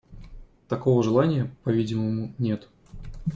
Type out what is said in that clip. Такого желания, по-видимому, нет.